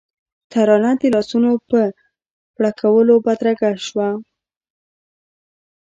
ترانه د لاسونو په پړکولو بدرګه شوه.